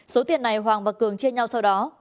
số tiền này hoàng và cường chia nhau sau đó